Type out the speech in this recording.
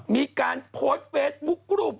มีการโพสต์เฟซบุ๊ครูป